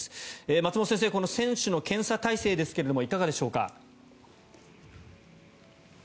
松本先生、選手の検査体制ですがいかがでしょうか？